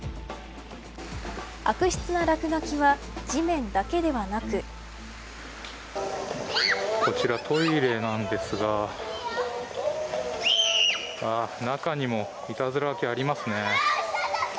悪質な落書きは地面だけではなくこちらトイレなんですが中にもいたずら書きありますね。